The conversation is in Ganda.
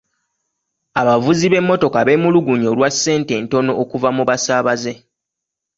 Abavuzi b'emmotoka beemulugunya olwa ssente entono okuva mu basaabaze.